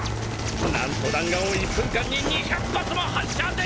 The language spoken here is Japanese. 何と弾丸を１分間に２００発も発射できるんですよ！